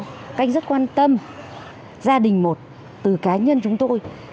các anh rất quan tâm gia đình một từ cá nhân chúng tôi